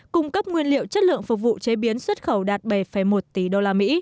cung cấp nguyên liệu chất lượng phục vụ chế biến xuất khẩu đạt bảy một tỷ usd